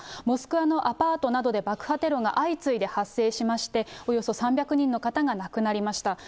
モスクワのアパートなどで爆破テロが相次いで発生しまして、およそ３００人の方が亡くなりました。